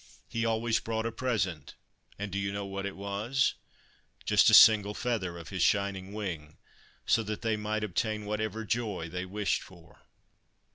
He always brought a present ; and do you know what it was ? Just a single feather of his shining wing, so that they might obtain whatever joy they wished for.